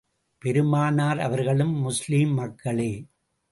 பெருமானார் அவர்களும், முஸ்லிம் மக்களே!